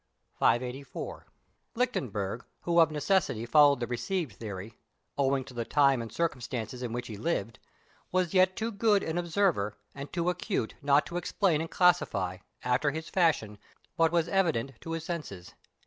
584. Lichtenberg, who of necessity followed the received theory, owing to the time and circumstances in which he lived, was yet too good an observer, and too acute not to explain and classify, after his fashion, what was evident to his senses.